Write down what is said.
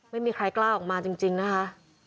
ไม่มีใครกล้าออกมาจริงนะคะ